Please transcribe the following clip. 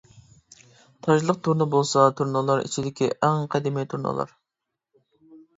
تاجلىق تۇرنا بولسا تۇرنىلار ئىچىدىكى ئەڭ قەدىمىي تۇرنىلار.